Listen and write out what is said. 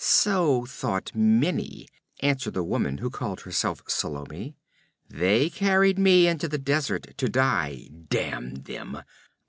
'So thought many,' answered the woman who called herself Salome. 'They carried me into the desert to die, damn them!